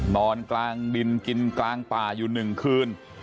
นอนกลางดินกินกลางป่าอยู่๑คืน